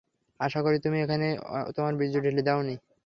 আশা করি তুমি এখানে তোমার বীর্য ঢেলে দাওনি।